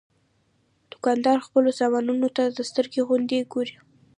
دوکاندار خپلو سامانونو ته د سترګو غوندې ګوري.